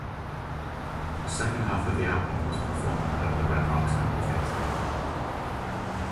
The second half of the album was performed at the Red Rocks Amphitheatre.